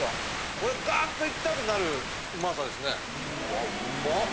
これガーッといきたくなるうまさですね。